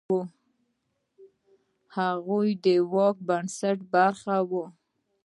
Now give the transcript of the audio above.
هغوی د واک د بنسټ برخه وه.